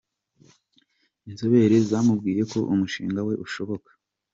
Inzobere zamubwiye ko umushinga we ushoboka.